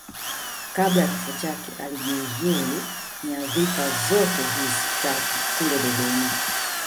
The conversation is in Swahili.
Kabla ya kifo chake alijiuzulu nyadhifa zote hizi tatu kule Dodoma